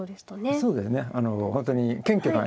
そうですね。